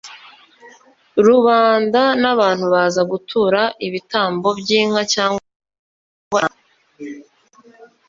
rubanda n’abantu baza gutura ibitambo by’inka cyangwa intama: